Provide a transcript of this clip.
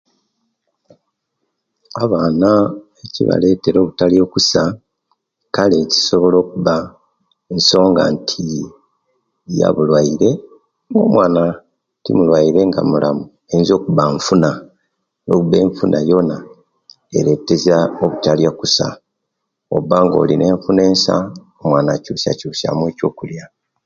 Abaana ekibaletera okutaliya okusa kale kisobola okuba ensonga nti yabulwaire nomwana timulwaire nga mulamu eyinza okuba nfuna oweba enfuna yona eretesya obutalya okusa ooba nga olina enfuna ensa omwana akyusyakyusya mu ekyokulya